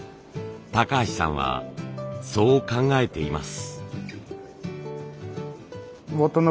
橋さんはそう考えています。